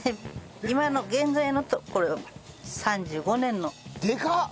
今の現在のとこれ３５年の。でかっ！